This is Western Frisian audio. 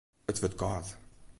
It wurdt kâld.